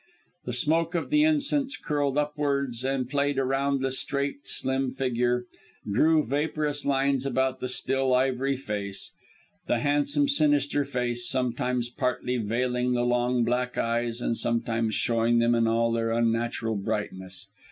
The smoke of the incense curled upward and played around the straight, slim figure, drew vaporous lines about the still, ivory face the handsome, sinister face, sometimes partly veiling the long black eyes and sometimes showing them in all their unnatural brightness.